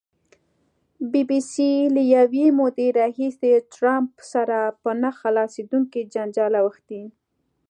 بي بي سي له یوې مودې راهیسې ټرمپ سره په نه خلاصېدونکي جنجال اوښتې.